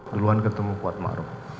duluan ketemu kuat ma'ruf